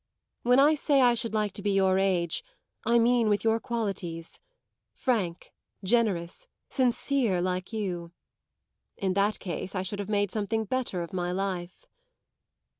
"When I say I should like to be your age I mean with your qualities frank, generous, sincere like you. In that case I should have made something better of my life."